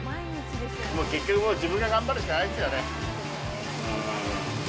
もう結局は自分が頑張るしかないですよね。